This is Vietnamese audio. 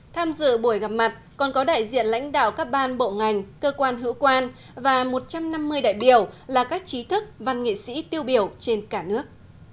tham dự buổi gặp mặt còn có đại diện lãnh đạo các ban bộ ngành cơ quan hữu quan và một trăm năm mươi đại biểu là các trí thức văn nghệ sĩ tiêu biểu trên cả nước